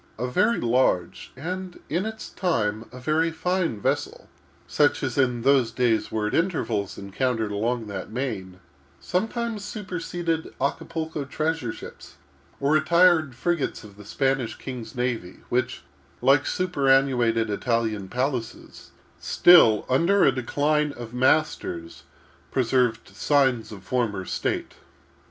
A very large, and, in its time, a very fine vessel, such as in those days were at intervals encountered along that main; sometimes superseded Acapulco treasure ships, or retired frigates of the Spanish king's navy, which, like superannuated Italian palaces, still, under a decline of masters, preserved signs of former state.